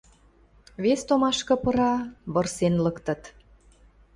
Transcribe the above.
Вес томашкы пыра – вырсен лыктыт: